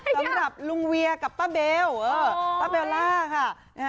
สำหรับลุงเวียกับป้าเบลป้าเบลล่าค่ะ